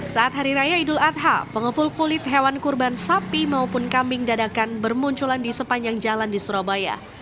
saat hari raya idul adha pengepul kulit hewan kurban sapi maupun kambing dadakan bermunculan di sepanjang jalan di surabaya